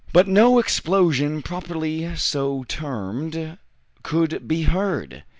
But no explosion properly so termed, could be heard.